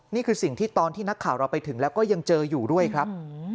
นี่คือสิ่งที่ตอนที่นักข่าวเราไปถึงแล้วก็ยังเจออยู่ด้วยครับ